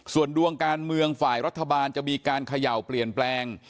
ส่วนดวงการเมืองฝ่ายรัฐบาลจะมีการเขย่าเปลี่ยนแปลง